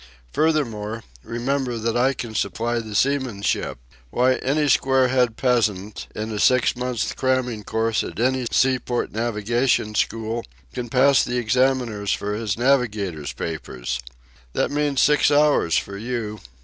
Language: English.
Furthermore, remember that I can supply the seamanship. Why, any squarehead peasant, in a six months' cramming course at any seaport navigation school, can pass the examiners for his navigator's papers. That means six hours for you.